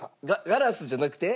ガラスじゃなくて？